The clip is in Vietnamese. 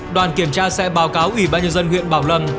đoàn kiểm tra sẽ báo cáo ủy ban nhân dân huyện bảo lâm